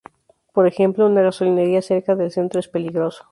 Por ejemplo, una gasolinera cerca del centro es peligroso.